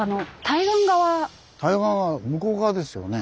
対岸側向こう側ですよね。